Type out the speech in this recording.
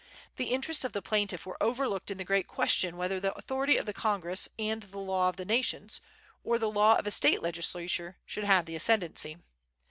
The interests of the plaintiff were overlooked in the great question whether the authority of Congress and the law of nations, or the law of a State legislature, should have the ascendency.